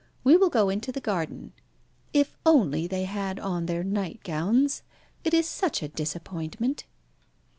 We will go into the garden. If only they had on their nightgowns? It is such a disappointment."